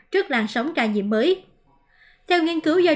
trước làn sóng ca nhiễm mới